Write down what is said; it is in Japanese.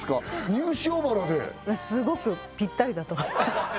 ニュー塩原ですごくぴったりだと思います